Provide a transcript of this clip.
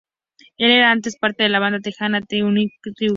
Él era antes parte de la banda Texana "The Union Underground".